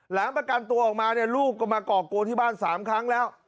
ประกันตัวออกมาเนี่ยลูกก็มาก่อโกนที่บ้าน๓ครั้งแล้ว